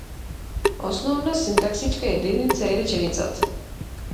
Основна синтаксичка единица е реченицата.